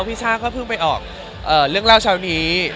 ช่าก็เพิ่งไปออกเรื่องเล่าเช้านี้